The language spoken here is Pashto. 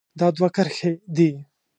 دا دوه کرښې دي.